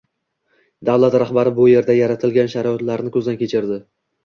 Davlat rahbari bu yerda yaratilgan sharoitlarni ko‘zdan kechirdi